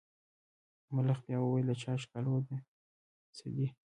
ملخ بیا وویل د چا ښکالو ده څه دي.